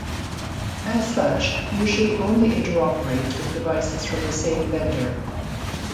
As such it usually only interoperates with devices from the same vendor.